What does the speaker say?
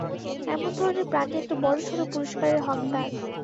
এমন ধরণের প্রাণী একটা বড়োসড়ো পুরষ্কারের হকদার।